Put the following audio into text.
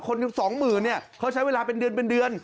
คนอยู่๒๐๐๐๐เขาใช้เวลาเป็นเดือน